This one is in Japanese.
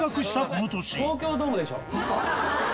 東京ドームでしょ？